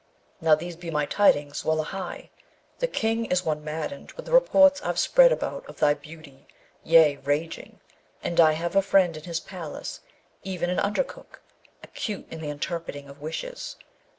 Now these be my tidings. Wullahy! the King is one maddened with the reports I've spread about of thy beauty, yea! raging. And I have a friend in his palace, even an under cook, acute in the interpreting of wishes.